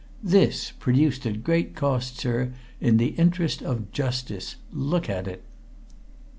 This, produced at great cost, sir, in the interest of Justice! Look at it!"